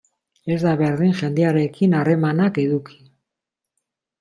Ez da berdin jendearekin harremanak eduki.